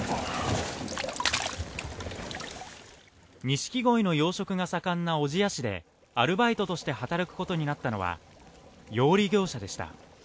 錦鯉の養殖が盛んな小千谷市でアルバイトとして働くことになったのは、養鯉業者でした。